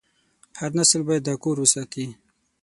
هر نسل باید دا کور وساتي.